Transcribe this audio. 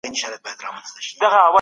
هیوادونه کله د مطبوعاتو ازادي تضمینوي؟